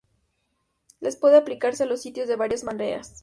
Less puede aplicarse a los sitios de varias maneras.